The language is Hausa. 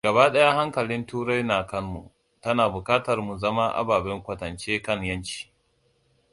Gaba ɗaya hankalin Turai na kanmu, tana buƙatar mu zama ababen kwatance kan ƴanci.